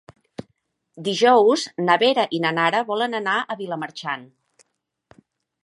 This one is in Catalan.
Dijous na Vera i na Nara volen anar a Vilamarxant.